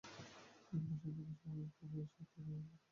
বসন্ত ও গ্রীষ্ম এই ফুলের ঋতু হলেও কখনো কখনো বর্ষা পর্যন্ত ফোটে।